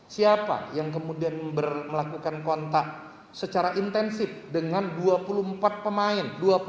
siapa yang kemudian melakukan kontak secara intensif dengan dua puluh empat pemain